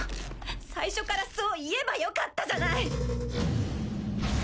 最初からそう言えばよかったじゃない。